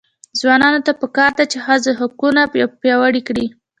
ځوانانو ته پکار ده چې، ښځو حقونه وپیاوړي کړي.